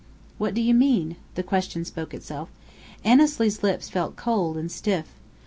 "What do you mean?" The question spoke itself. Annesley's lips felt cold and stiff.